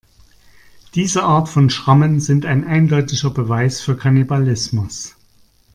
Diese Art von Schrammen sind ein eindeutiger Beweis für Kannibalismus.